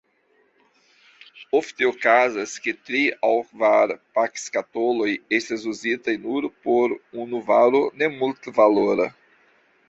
Ofte okazas, ke tri aŭ kvar pakskatoloj estas uzitaj nur por unu varo nemultvalora.